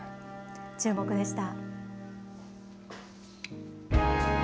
チューモク！でした。